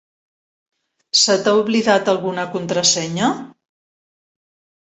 Se t'ha oblidat alguna contrasenya?